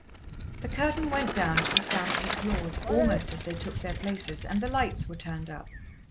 The curtain went down to the sound of applause almost as they took their places, and the lights were turned up.